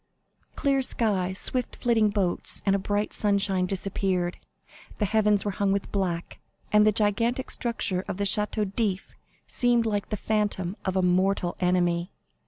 Clear sky, swift flitting boats, and brilliant sunshine disappeared; the heavens were hung with black, and the gigantic structure of the Château d'If seemed like the phantom of a mortal enemy.